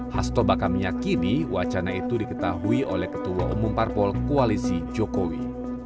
hasto bakal meyakini wacana itu diketahui oleh ketua umum parpol koalisi jokowi